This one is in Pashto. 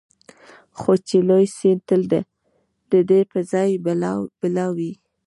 خو چي لوی سي تل د ده په ځان بلاوي